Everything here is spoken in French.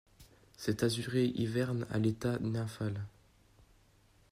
Cet azuré hiverne à l'état nymphal.